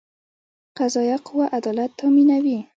قضایه قوه عدالت تامینوي